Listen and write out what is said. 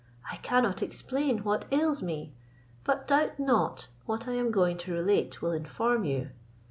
I cannot explain what ails me; but doubt not what I am going to relate will inform you.